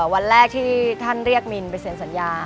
วันแรกที่ท่านเรียกมินไปเซ็นสัญญา